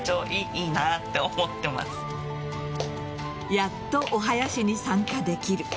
やっと、おはやしに参加できる。